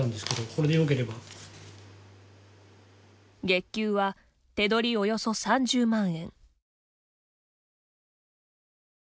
月給は、手取りおよそ３０万円。